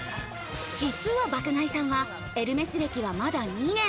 実は爆買いさんはエルメス歴はまだ２年。